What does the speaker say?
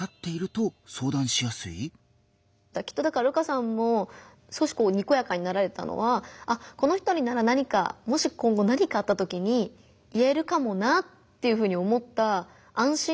きっとだから瑠花さんも少しにこやかになられたのはこの人になら何かもし今後何かあったときに言えるかもなっていうふうに思った安心の笑顔だったと思うので。